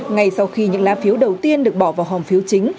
ngay sau khi những lá phiếu đầu tiên được bỏ vào hòm phiếu chính